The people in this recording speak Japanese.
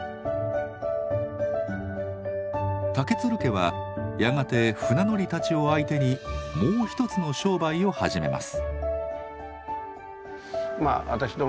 竹鶴家はやがて船乗りたちを相手にもう一つの商売を始めます。